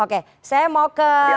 oke saya mau ke